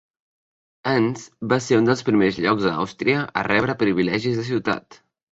Enns va ser un dels primers llocs a Àustria a rebre privilegis de ciutat.